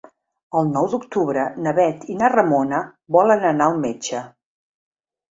El nou d'octubre na Bet i na Ramona volen anar al metge.